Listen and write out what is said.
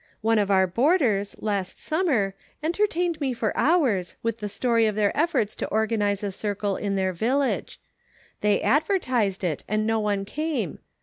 One of our boarders, last summer, entertained me for hours, with the story of their efforts to organize a circle in their village ; they advertised it, and no one came.